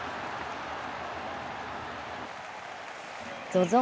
ＺＯＺＯ